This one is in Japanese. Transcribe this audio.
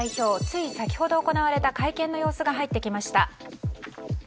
つい先ほど行われた会見の様子が入ってきました。